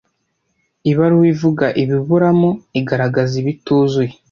Ibaruwa ivuga ibiburamo igaragaza ibituzuye